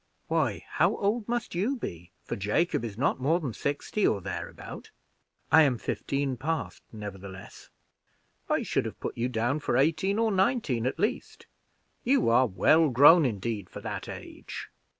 Why, how old must you be, for Jacob is not more than sixty or thereabout?" "I am fifteen, past, nevertheless." "I should have put you down for eighteen or nineteen at least. You are well grown indeed for that age.